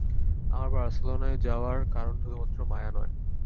আমার বার্সেলোনায় যাওয়ার কারণ শুধুমাত্র মায়া নয়।